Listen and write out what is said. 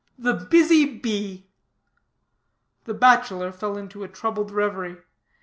"The busy bee." The bachelor fell into a troubled reverie.